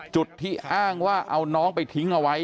จุดที่อ้างว่าเอาน้องไปทิ้งเอาไว้